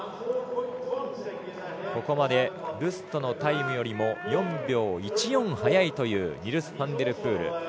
ここまで、ルストのタイムよりも４秒１４速いというニルス・ファンデルプール。